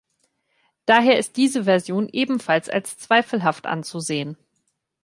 Daher ist diese Version ebenfalls als zweifelhaft anzusehen.